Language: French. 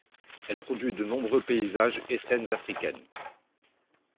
Elle produit de nombreux paysages et scènes africaines.